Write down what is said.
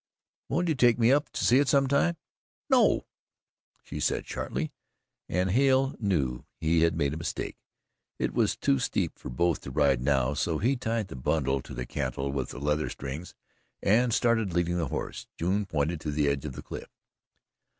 "Won't you take me to see it some time?" "No!" she said shortly, and Hale knew he had made a mistake. It was too steep for both to ride now, so he tied the bundle to the cantle with leathern strings and started leading the horse. June pointed to the edge of the cliff.